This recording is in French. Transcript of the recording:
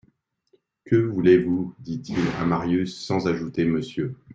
Que voulez-vous ? dit-il à Marius, sans ajouter monsieur.